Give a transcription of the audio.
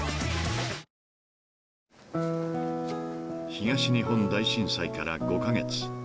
［東日本大震災から５カ月］